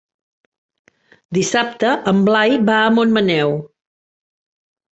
Dissabte en Blai va a Montmaneu.